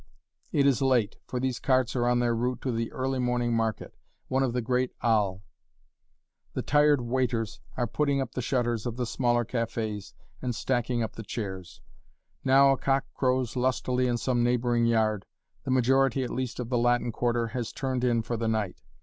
It is late, for these carts are on their route to the early morning market one of the great Halles. The tired waiters are putting up the shutters of the smaller cafés and stacking up the chairs. Now a cock crows lustily in some neighboring yard; the majority at least of the Latin Quarter has turned in for the night.